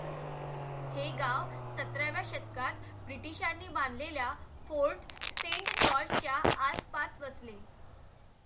हे गाव सतराव्या शतकात ब्रिटिशांनी बांधलेल्या फोर्ट सेंट जॉर्जच्या आसपास वसले.